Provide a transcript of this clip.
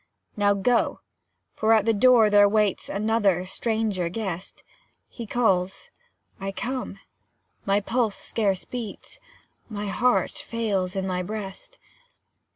Now go; for at the door there waits Another stranger guest; He calls I come my pulse scarce beats, My heart fails in my breast.